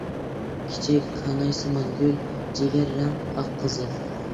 كىچىك كانايسىمان گۈل، جىگەر رەڭ، ئاق، قىزىل.